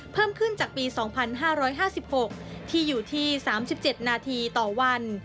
เพิ่มขึ้นจากปี๒๕๕๖ที่อยู่ที่๓๗นาทีต่อวัน